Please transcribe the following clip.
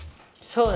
そう。